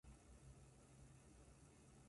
がちでさ